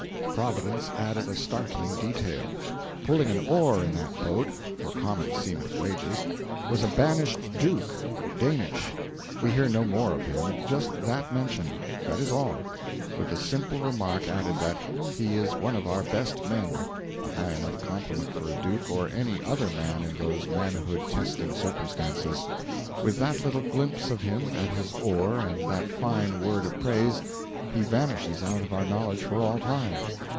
Providence added a startling detail: pulling an oar in that boat, for common seaman's wages, was a banished duke Danish. We hear no more of him; just that mention, that is all, with the simple remark added that 'he is one of our best men' a high enough compliment for a duke or any other man in those manhood testing circumstances. With that little glimpse of him at his oar, and that fine word of praise, he vanishes out of our knowledge for all time.